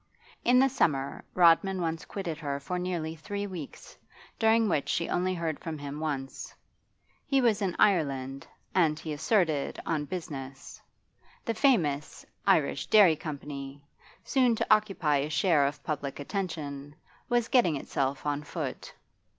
In the summer Rodman once quitted her for nearly three weeks, during which she only heard from him once. He was in Ireland, and, he asserted, on business. The famous 'Irish Dairy Company,' soon to occupy a share of public attention, was getting itself on foot.